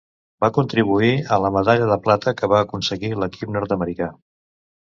Va contribuir en la medalla de plata que va aconseguir l'equip nord-americà.